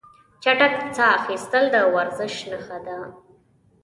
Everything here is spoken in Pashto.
چټک ساه اخیستل د ورزش نښه ده.